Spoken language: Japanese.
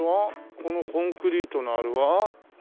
このコンクリートのあれは？